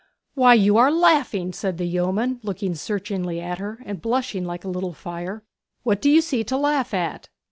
'Why, you are laughing!' said the yeoman, looking searchingly at her and blushing like a little fire. 'What do you see to laugh at?'